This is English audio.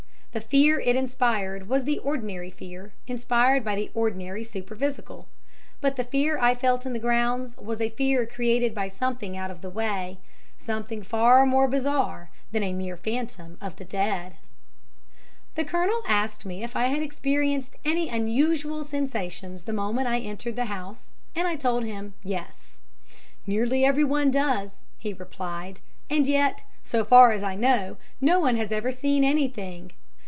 The fear it inspired was the ordinary fear inspired by the ordinary superphysical, but the fear I felt in the grounds was a fear created by something out of the way something far more bizarre than a mere phantom of the dead. The Colonel asked me if I had experienced any unusual sensations the moment I entered the house, and I told him, "Yes." "Nearly everyone does," he replied, "and yet, so far as I know, no one has ever seen anything.